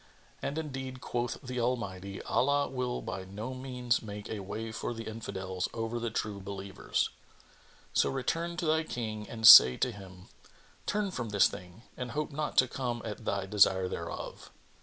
And indeed quoth the Almighty 'Allah will by no means make a way for the Infidels over the True Believers.'[FN#24] So return to thy King and say to him, 'Turn from this thing and hope not to come at thy desire thereof.'"